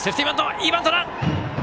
いいバントだ！